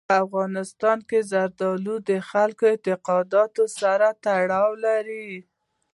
په افغانستان کې زردالو د خلکو د اعتقاداتو سره تړاو لري.